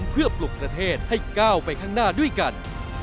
เพื่อปลุกประเทศให้ก้าวไปข้างหน้าด้วยกัน